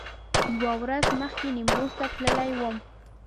یوه ورځ مخکې نیمروز ته تللي و.